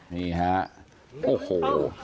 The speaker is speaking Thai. นี่ฮะโอ้โห